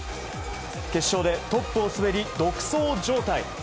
決勝でトップを滑り、独走状態。